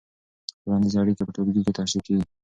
ټولنیزې اړیکې په ټولګي کې تشریح کېږي.